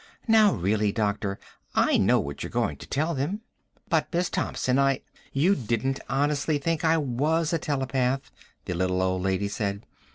"Now, really, doctor. I know what you're going to tell them." "But Miss Thompson, I " "You didn't honestly think I was a telepath," the little old lady said.